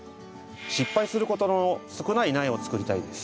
失敗することの少ない苗をつくりたいです。